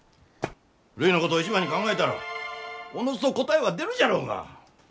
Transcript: るいのことを一番に考えたらおのずと答えは出るじゃろうが！